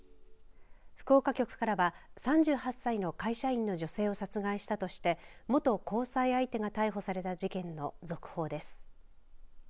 福岡局からは３８歳の会社員の女性を殺害したとして元交際相手が逮捕された事件の続報です。